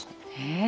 え？